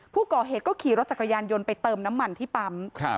ผู้ก่อเหตุก็ขี่รถจักรยานยนต์ไปเติมน้ำมันที่ปั๊ม